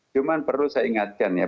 cuma perlu saya ingatkan ya